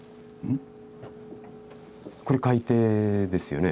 これ海底ですよね。